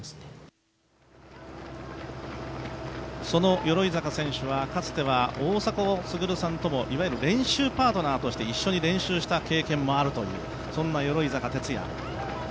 その鎧坂選手はかつては大迫傑さんともいわゆる練習パートナーとして一緒に練習した経験もある、そんな鎧坂哲哉。